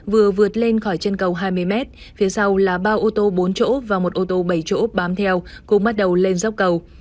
vừa vượt lên khỏi chân cầu hai mươi m phía sau là ba ô tô bốn chỗ và một ô tô bảy chỗ bám theo cùng bắt đầu lên dốc cầu